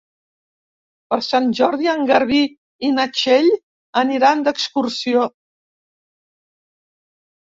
Per Sant Jordi en Garbí i na Txell aniran d'excursió.